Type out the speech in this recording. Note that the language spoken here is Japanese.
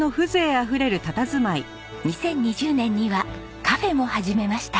２０２０年にはカフェも始めました。